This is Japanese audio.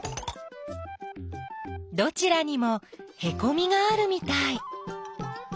どちらにもへこみがあるみたい。